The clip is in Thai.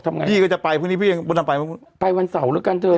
ทำไงพี่ก็จะไปพรุ่งนี้พี่ไปวันเสาร์แล้วกันเถอะ